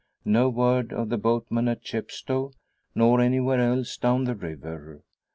No word of the boatman at Chepstow, nor anywhere else down the river.